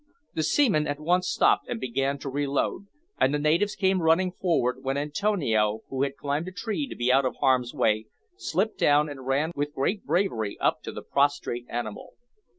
The seaman at once stopped and began to reload, and the natives came running forward, when Antonio, who had climbed a tree to be out of harm's way, slipped down and ran with great bravery up to the prostrate animal.